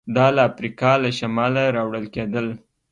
دا له افریقا له شماله راوړل کېدل